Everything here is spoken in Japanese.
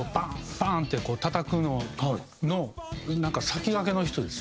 パン！ってたたくのの先駆けの人です。